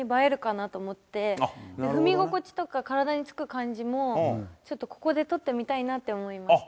踏み心地とか体につく感じもちょっとここで撮ってみたいなって思いました。